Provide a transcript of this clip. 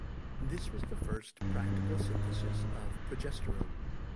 This was the first practical synthesis of progesterone.